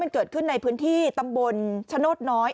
เกิดขึ้นในพื้นที่ตำบลชโนธน้อย